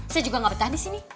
saya juga ga betah disini